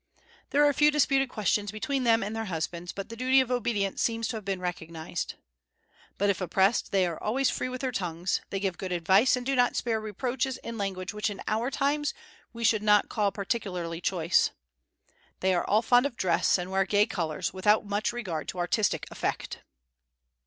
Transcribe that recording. There are few disputed questions between them and their husbands, but the duty of obedience seems to have been recognized. But if oppressed, they always are free with their tongues; they give good advice, and do not spare reproaches in language which in our times we should not call particularly choice. They are all fond of dress, and wear gay colors, without much regard to artistic effect.